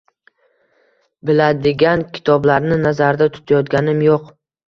Biladigan kitoblarni nazarda tutayotganim yo’q